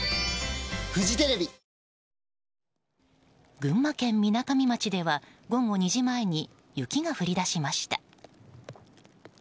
群馬県みなかみ町では午後２時前に雪が降り出しました。